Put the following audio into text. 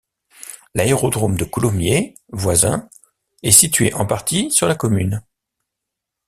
L'aérodrome de Coulommiers - Voisins est situé en partie sur la commune.